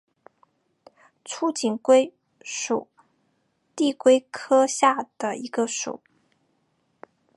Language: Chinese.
粗颈龟属是地龟科下的一个属。